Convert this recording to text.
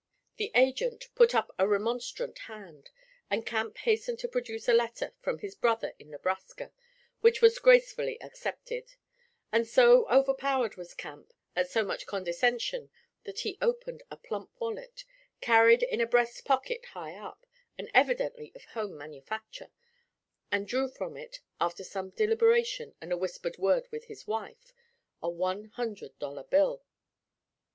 The 'agent' put up a remonstrant hand, and Camp hastened to produce a letter from his brother in Nebraska, which was gracefully accepted; and so overpowered was Camp at so much condescension that he opened a plump wallet carried in a breast pocket high up, and evidently of home manufacture and drew from it, after some deliberation and a whispered word with his wife, a one hundred dollar bill.